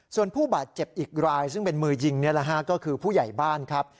ส่วนผู้บาดเจ็บอีกรายซึ่งเป็นมือยิงนี่แหละฮะก็คือผู้ใหญ่บ้านครับ